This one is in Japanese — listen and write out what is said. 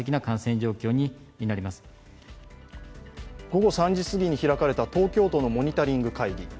午後３時過ぎに開かれた東京都のモニタリング会議。